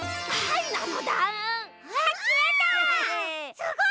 すごい！